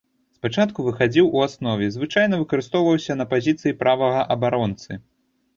Спачатку выхадзіў у аснове, звычайна выкарыстоўваўся на пазіцыі правага абаронцы.